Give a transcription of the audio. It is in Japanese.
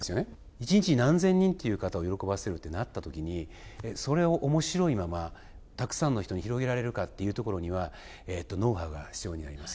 １日何千人という方を喜ばせるとなったときにそれを面白いままたくさんの人に広げられるかというところにはノウハウが必要になります。